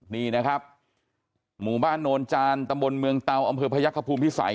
นี่นะครับหมู่บ้านโนนจานตำบลเมืองเตาอำเภอพยักษภูมิพิสัย